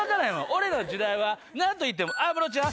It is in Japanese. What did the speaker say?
俺の時代は何といっても安室ちゃん。